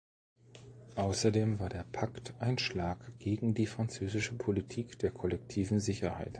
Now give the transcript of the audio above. Außerdem war der Pakt ein Schlag gegen die französische Politik der kollektiven Sicherheit.